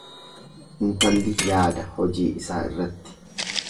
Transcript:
Intalli yaada hojii isaa irratti.